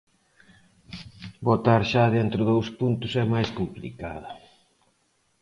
Votar xa dentro dous puntos é máis complicado.